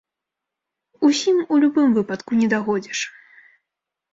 Усім, у любым выпадку, не дагодзіш.